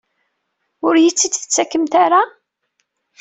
Ur iyi-t-id-tettakemt ara?